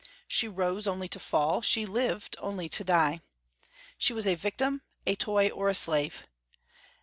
She rose only to fall; she lived only to die. She was a victim, a toy, or a slave.